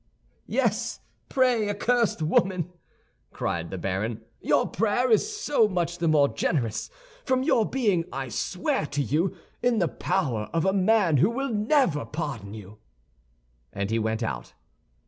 "Yes, pray, accursed woman!" cried the baron; "your prayer is so much the more generous from your being, I swear to you, in the power of a man who will never pardon you!" and he went out.